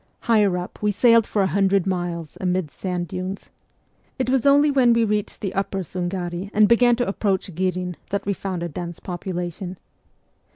Higher up we sailed for a hundred miles amidst sand dunes. It was only when we reached the upper Sungari and began to approach Ghirin that we found a dense population.